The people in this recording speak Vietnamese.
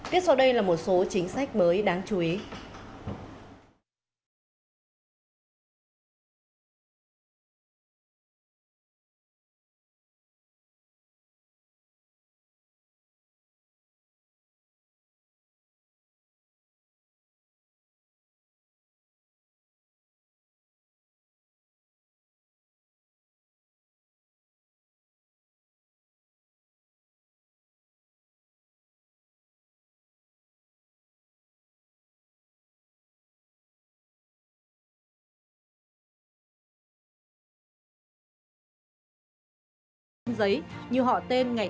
tiếp sau đây là một số chính sách mới đáng chú ý